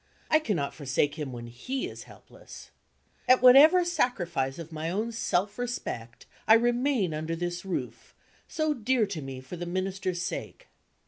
I cannot forsake him when he is helpless. At whatever sacrifice of my own self respect, I remain under this roof, so dear to me for the Minister's sake.